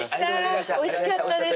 おいしかったです。